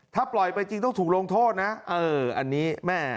ถ้าปล่อยไปจริงต้องถูกลงโทษนะเอออันนี้แม่